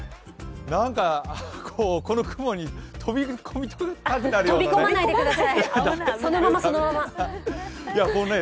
なんか、この雲に飛び込みたくなるようなね。